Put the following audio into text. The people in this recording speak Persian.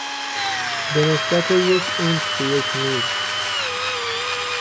به نسبت یک اینچ به یک میل